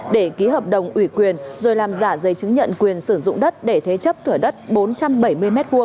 để ký hợp đồng ủy quyền rồi làm giả giấy chứng nhận quyền sử dụng đất để thế chấp thửa đất bốn trăm bảy mươi m hai